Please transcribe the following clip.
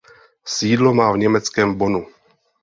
Sídlo má v německém Bonnu.